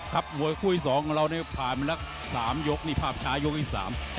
ครับมวยคู่อีก๒ของเราผ่านมา๓ยกนี่ภาพชายก็อีก๓